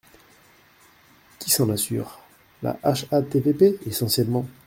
Qui s’en assure ? La HATVP essentiellement.